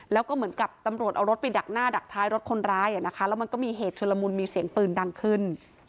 แล้วก็เหมือนกับตำรวจเอารถไปดักหน้าดักท้ายรถคนร้ายแล้วมันก็มีเหตุชุลมุนมีเสียงปืนดังขึ้น